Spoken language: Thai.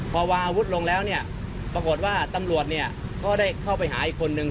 พอวาวุฒิลงแล้วปรากฏว่าตำรวจก็ได้เข้าไปหาอีกคนหนึ่ง